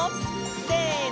せの！